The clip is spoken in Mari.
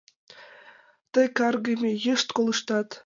— Тый, каргыме, йышт колыштат!